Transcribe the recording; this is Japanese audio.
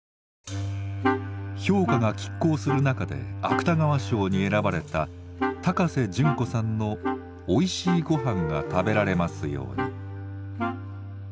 評価が拮抗する中で芥川賞に選ばれた高瀬隼子さんの「おいしいごはんが食べられますように」。